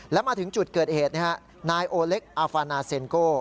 แล้วมาถึงจุดเกิดเหตุนายโอเล็กอาฟานาเซ็นโก